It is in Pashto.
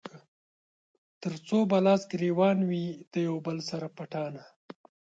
تر څو به لاس ګرېوان وي د يو بل سره پټانــه